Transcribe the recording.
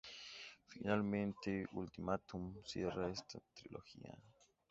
Finalmente, Ultimátum, cierra esta trilogía.